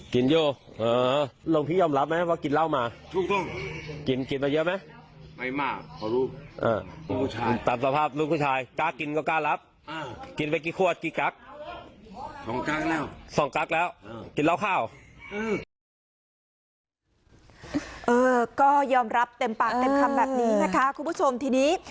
ก็ยอมรับเต็มปากเต็มคำแบบนี้นะคะคุณผู้ชมทีนี้